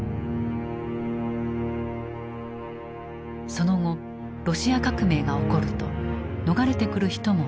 その後ロシア革命が起こると逃れてくる人も多かった。